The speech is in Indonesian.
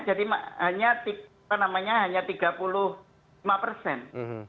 jadi hanya tiga puluh lima persen